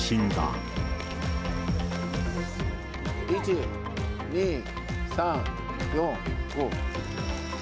１、２、３、４、５。